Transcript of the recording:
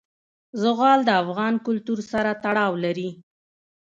زغال د افغان کلتور سره تړاو لري.